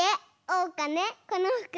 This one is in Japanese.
おうかねこのふく